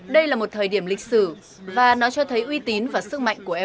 đây là một thời điểm lịch sử và nó cho thấy uy tín và sức mạnh của eu